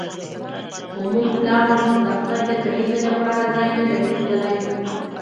خو موږ لاهم د دفتر د کلیزې لپاره ځای نه دی موندلی